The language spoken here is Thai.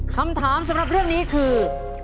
คำถามสำหรับเรื่องนี้คือ